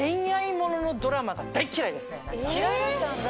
嫌いだったんだ。